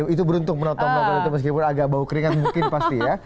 itu beruntung menonton itu meskipun agak bau keringat mungkin pasti ya